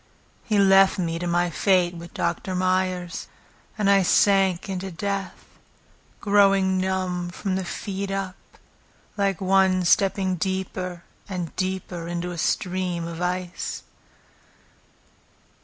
He left me to my fate with Doctor Meyers; And I sank into death, growing numb from the feet up, Like one stepping deeper and deeper into a stream of ice.